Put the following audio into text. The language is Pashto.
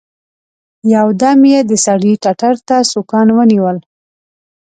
يو دم يې د سړي ټتر ته سوکان ونيول.